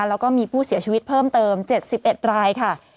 แล้วก็มีผู้เสียชีวิตเพิ่มเติม๗๑รายค่ะ